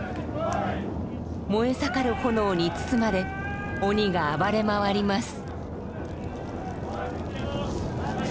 燃えさかる炎に包まれ鬼が暴れ回ります。